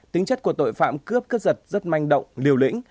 tính chất của tội phạm cướp cướp giật rất manh động liều lĩnh